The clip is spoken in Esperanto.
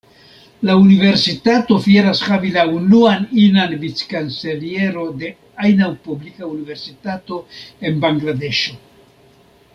La universitato fieras havi la unuan inan Vic-kanceliero de ajna publika universitato en Bangladeŝo.